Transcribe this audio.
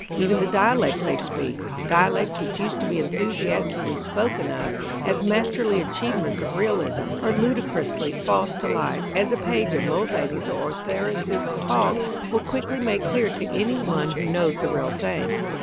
Even the dialects they speak dialects which used to be enthusiastically spoken of as masterly achievements of realism are ludicrously false to life, as a page of Mulvaney's or Ortheris's talk will quickly make clear to any one who knows the real thing.